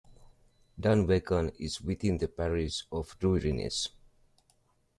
Dunvegan is within the parish of Duirinish.